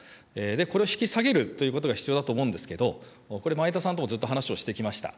これを引き下げるということが必要だと思うんですけど、これ、前田さんともずっと話をしてきました。